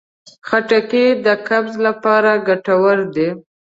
خټکی د قبض لپاره ګټور دی.